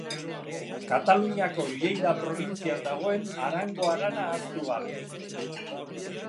Kataluniako Lleida probintzian dagoen Arango harana ahaztu gabe.